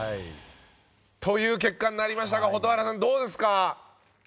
という結果になりましたが蛍原さん、どうですか？